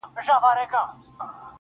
گراني دا هيله كوم